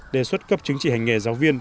đề xuất cấp chứng chỉ hành nghề giáo viên